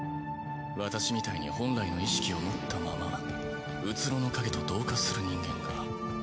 私みたいに本来の意識を持ったまま虚の影と同化する人間が。